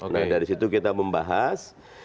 nah dari situ kita membahas